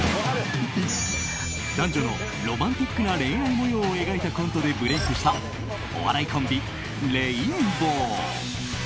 男女のロマンティックな恋愛模様を描いたコントでブレークしたお笑いコンビ、レインボー。